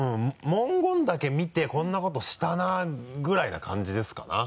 文言だけ見てこんなことしたなぐらいな感じですかな。